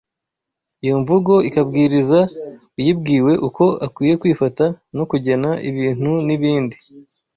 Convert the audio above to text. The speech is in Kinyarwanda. Iyo mvugo ikabwiriza uyibwiwe uko akwiye kwifata no kugena ibintu n’ibindi